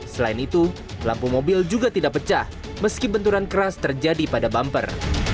selain itu lampu mobil juga tidak pecah meski benturan keras terjadi pada bumper